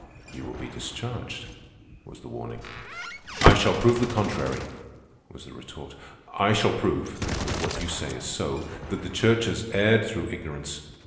"You will be discharged," was the warning. "I shall prove the contrary," was the retort. "I shall prove, if what you say is so, that the Church has erred through ignorance.